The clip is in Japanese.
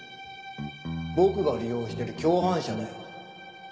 僕が利用してる共犯者だよ。